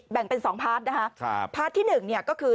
แบ่งเป็น๒ภาพนะคะภาพที่๑ก็คือ